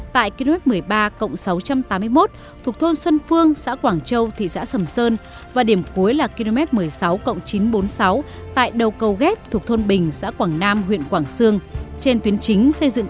tại km một mươi ba cộng sáu trăm tám mươi một thuộc thôn xuân phương xã quảng châu thị xã sầm sơn